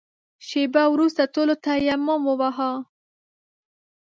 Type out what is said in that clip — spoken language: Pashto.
شېبه وروسته ټولو تيمم وواهه.